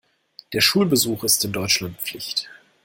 Der Schulbesuch ist in Deutschland Pflicht.